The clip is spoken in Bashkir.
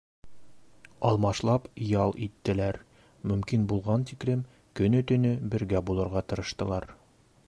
Алмашлап ял иттеләр, мөмкин булған тиклем көнө-төнө бергә булырға тырыштылар.